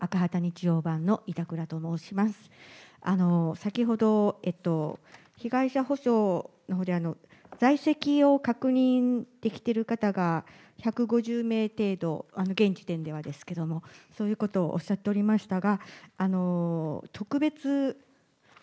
先ほど、被害者補償のほうで、在籍を確認できてる方が１５０名程度、現時点ではですけれども、そういうことをおっしゃっておりましたが、特別、